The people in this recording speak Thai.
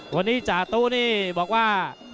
วันนี้จาตุนี่บอกว่า